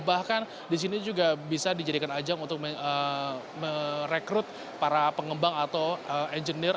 bahkan di sini juga bisa dijadikan ajang untuk merekrut para pengembang atau engineer